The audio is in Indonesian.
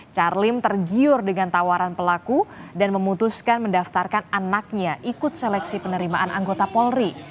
charliem tergiur dengan tawaran pelaku dan memutuskan mendaftarkan anaknya ikut seleksi penerimaan anggota polri